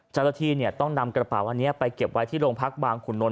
เจ้าหน้าที่ต้องนำกระเป๋าอันนี้ไปเก็บไว้ที่โรงพักบางขุนนท